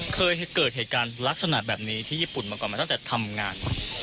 เคยเกิดเหตุการณ์ลักษณะแบบนี้ที่ญี่ปุ่นมาก่อนมาตั้งแต่ทำงาน